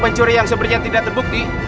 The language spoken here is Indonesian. pencuri yang sebenarnya tidak terbukti